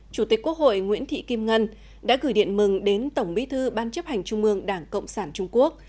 chủ tịch quốc hội nguyễn thị kim ngân đã gửi điện mừng đến tổng bí thư ban chấp hành trung mương đảng cộng sản trung quốc